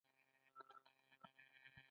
چین اقتصادي اصلاحات دوام لري.